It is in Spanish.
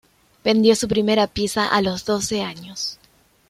Vendió su primera pieza a los doce años.